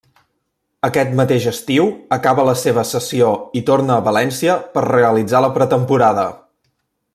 Aquest mateix estiu acaba la seva cessió i torna a València per realitzar la pretemporada.